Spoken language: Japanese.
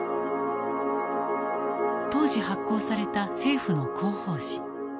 当時発行された政府の広報誌。